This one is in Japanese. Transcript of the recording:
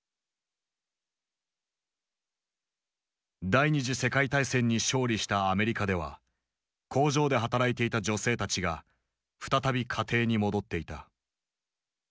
第二次世界大戦に勝利したアメリカでは工場で働いていた女性たちが再び家庭に戻っていた。